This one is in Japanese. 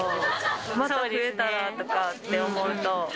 また増えたらとかって思うと。